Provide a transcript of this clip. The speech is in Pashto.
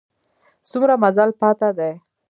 څومره مزل پاته دی؟